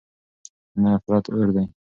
نفرت اور دی.